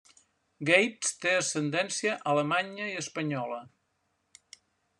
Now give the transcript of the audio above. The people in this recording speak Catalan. Gates té ascendència alemanya i espanyola.